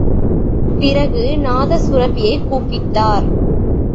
பிறகு, நாதசுரபியைக் கூப்பிட்டார்.